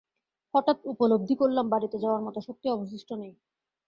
হঠাৎ উপলব্ধি করলাম বাড়িতে যাওয়ার মত শক্তি অবশিষ্ট নেই।